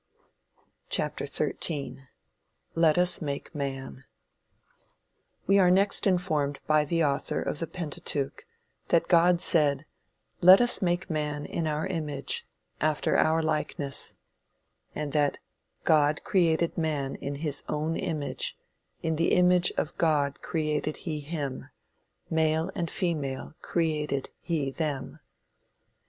XIII. LET US MAKE MAN We are next informed by the author of the Pentateuch that God said "Let us make man in our image, after our likeness," and that "God created man in his own image, in the image of God created he him male and female created he them."